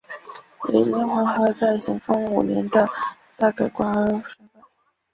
也因黄河在咸丰五年的大改道而衰败。